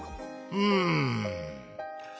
うん。